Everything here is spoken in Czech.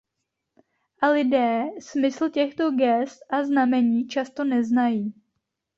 A lidé smysl těchto gest a znamení často neznají.